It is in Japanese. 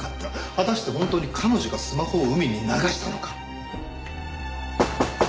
果たして本当に彼女がスマホを海に流したのか？